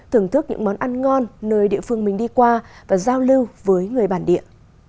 thưởng thức những món ăn ngon nơi địa phương mình đi qua và giao lưu với người bản địa